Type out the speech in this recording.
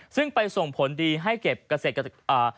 ซึ่งไปส่งผลดีให้เก็บเกษตรอ่า